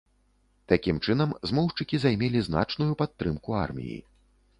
Такім чынам, змоўшчыкі займелі значную падтрымку арміі.